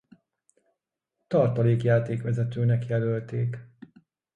Tartalék játékvezetőnek jelölték.